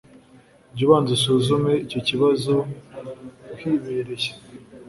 Jya ubanza usuzume icyo kibazo uhibereye